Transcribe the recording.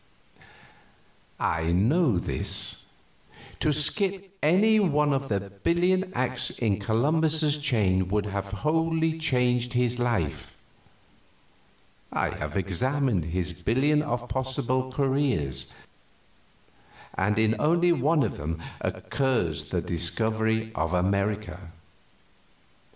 I know this. To skip any one of the billion acts in Columbus's chain would have wholly changed his life. I have examined his billion of possible careers, and in only one of them occurs the discovery of America.